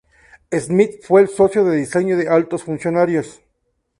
Smith fue el socio de Diseño de Altos Funcionarios.